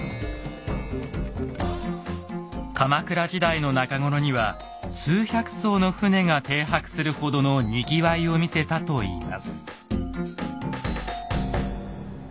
鎌倉時代の中頃には数百艘の船が停泊するほどのにぎわいを見せたといいます。